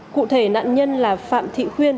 cụ thể nạn nhân là phạm thị khuyên